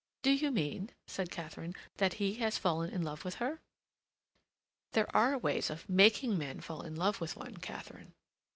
"Do you mean," said Katharine, "that he has fallen in love with her?" "There are ways of making men fall in love with one, Katharine."